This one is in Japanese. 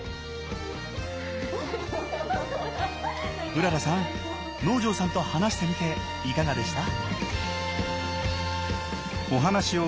うららさん能條さんと話してみていかがでした？